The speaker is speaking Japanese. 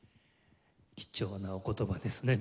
貴重なお言葉ですね